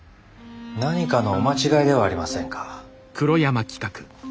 何かのお間違いではありませんか？